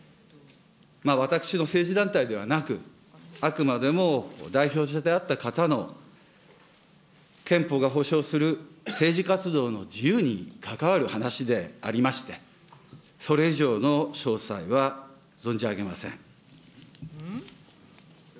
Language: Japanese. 私の政治団体ではなく、あくまでも代表者であった方の憲法が保障する政治活動の自由に関わる話でありまして、それ以上の詳細は存じ上げません。